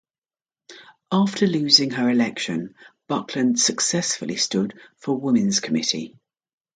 After losing her election Buckland successfully stood for Women's Committee.